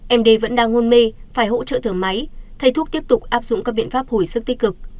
md vẫn đang hôn mê phải hỗ trợ thở máy thay thuốc tiếp tục áp dụng các biện pháp hồi sức tích cực